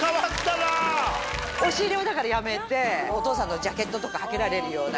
押し入れをやめてお父さんのジャケットとか掛けられるような。